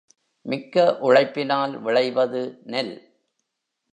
மிக்க உழைப்பினால் விளைவது நெல்.